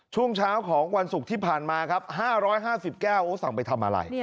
ช่วงเช้าของวันศุกร์ที่ผ่านมาครับ๕๕๐แก้วสั่งไปทำอะไร